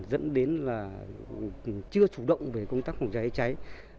dẫn đến là chưa chủ động về công tác phòng cháy cháy